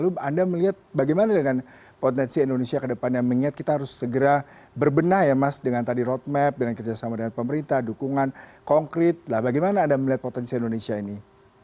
anda melihat bagaimana dengan potensi indonesia ke depannya mengingat kita harus segera berbenah ya mas dengan tadi roadmap dengan kerjasama dengan pemerintah dukungan konkret bagaimana anda melihat potensi indonesia ini